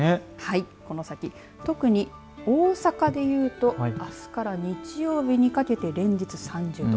この先、特に大阪でいうとあすから日曜日にかけて連日３０度。